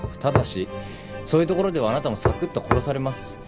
ただしそういう所ではあなたもさくっと殺されます。